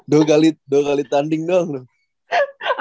dua kali tanding doang tuh